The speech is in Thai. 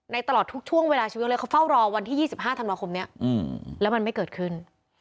ตลอดทุกช่วงเวลาชีวิตเลยเขาเฝ้ารอวันที่๒๕ธันวาคมนี้แล้วมันไม่เกิดขึ้น